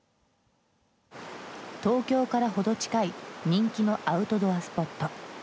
東京から程近い人気のアウトドアスポット